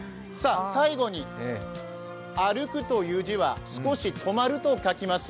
最後に「歩」という字は少し止まると書きます。